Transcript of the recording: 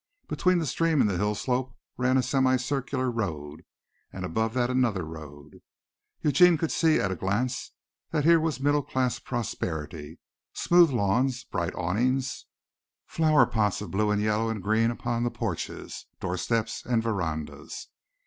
Between the stream and the hill slope ran a semi circular road and above that another road. Eugene could see at a glance that here was middle class prosperity, smooth lawns, bright awnings, flower pots of blue and yellow and green upon the porches, doorsteps and verandas.